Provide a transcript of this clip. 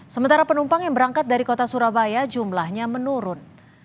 sementara penumpang yang berangkat dari kota surabaya jumlahnya menurun